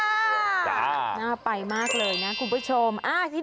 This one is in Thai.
น่าไปมากเลยนะคุณผู้ชม